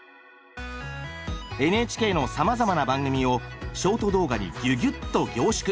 ＮＨＫのさまざまな番組をショート動画にギュギュっと凝縮！